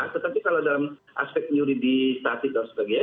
tetapi kalau dalam aspek juridik statis dan sebagainya